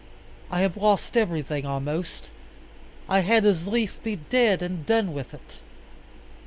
I have lost everything almost. I had as lief be dead and done with it."